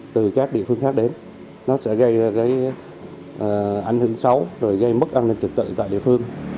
từ các địa phương khác đến nó sẽ gây ảnh hưởng xấu gây mất an ninh trực tự tại địa phương